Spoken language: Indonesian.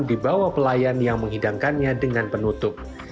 dibawa pelayan yang menghidangkannya dengan penutup